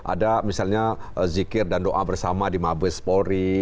ada misalnya zikir dan doa bersama di mabes polri